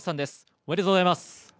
ありがとうございます。